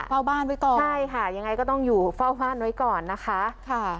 เฝ้าบ้านไว้ก่อนใช่ค่ะยังไงก็ต้องอยู่เฝ้าบ้านไว้ก่อนนะคะค่ะ